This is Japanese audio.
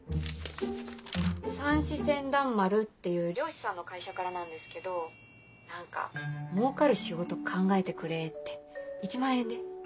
さんし船団丸っていう漁師さんの会社からなんですけど何か儲かる仕事考えてくれって１万円で。